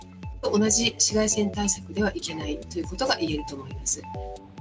同じ紫外線対策ではいけないということが言えると思います。